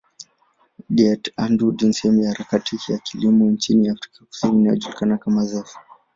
Die Antwoord ni sehemu ya harakati ya kilimo nchini Afrika Kusini inayojulikana kama zef.